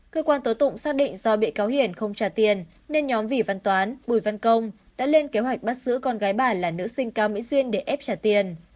cơ quan tố tụng xác định do bị cáo hiển không trả tiền nên nhóm vị văn toán bùi văn công đã lên kế hoạch bắt giữ con gái bà là nữ sinh cao mỹ duyên để ép trả tiền